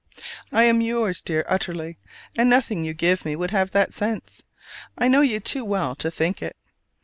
I am yours, dear, utterly; and nothing you give me would have that sense: I know you too well to think it.